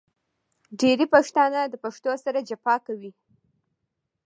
ډېری پښتانه د پښتو سره جفا کوي .